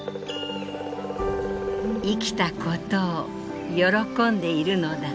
「生きたことを喜んでいるのだ」。